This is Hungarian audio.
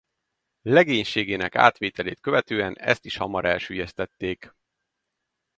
Legénységének átvételét követően ezt is hamar elsüllyesztették.